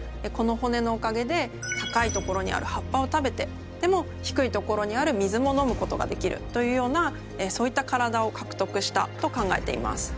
この骨のおかげで高い所にある葉っぱを食べてでも低い所にある水も飲むことができるというようなそういった体を獲得したと考えています。